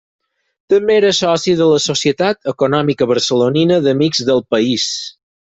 També era soci de la Societat Econòmica Barcelonina d'Amics del País.